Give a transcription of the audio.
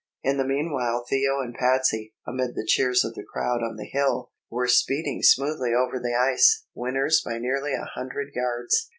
In the meanwhile Theo and Patsey, amid the cheers of the crowd on the hill, were speeding smoothly over the level ice, winners by nearly a hundred yards.